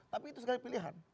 tapi itu sekali pilihan